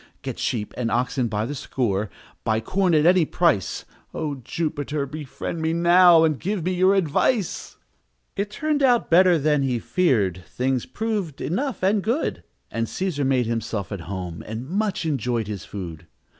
"Get sheep and oxen by the score! Buy corn at any price! O Jupiter! befriend me now, And give me your advice!" It turned out better than he feared, Things proved enough and good, And Cæsar made himself at home, And much enjoyed his food.